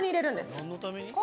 何のために？